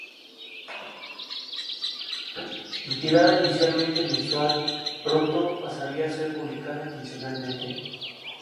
De tirada inicialmente mensual, pronto pasaría a ser publicada quincenalmente.